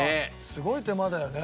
すごい手間だよね。